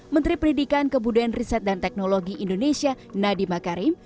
menteri pendidikan kebudayaan riset dan teknologi indonesia nadiem makarim